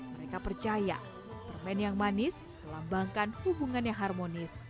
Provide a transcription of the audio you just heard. mereka percaya permen yang manis melambangkan hubungannya harmonis